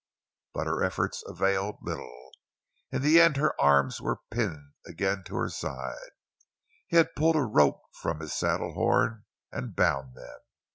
But her efforts availed little. In the end her arms were pinned again to her sides, and he pulled a rope from his saddle horn and bound them.